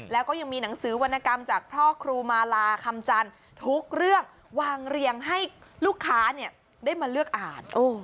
แล้วก็ยังมีหนังสือวรรณกรรมจากพ่อครูมาลาคำจันทร์ทุกเรื่องวางเรียงให้ลูกค้าได้มาเลือกอ่าน